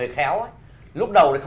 cái khu này